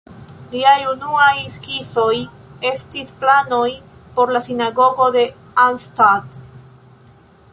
Liaj unuaj skizoj estis planoj por la Sinagogo de Arnstadt.